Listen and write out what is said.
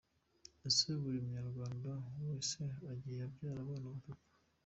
Ese ubu buri Munyarwanda wese agiye abyara abana batatu.